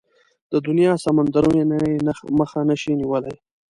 د دنيا سمندرونه يې مخه نشي نيولای.